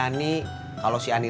kalau si ani lihat dia akan tersenyum